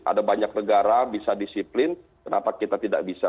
ada banyak negara bisa disiplin kenapa kita tidak bisa